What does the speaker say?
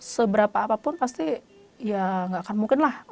seberapa apapun pasti ya nggak akan mungkin lah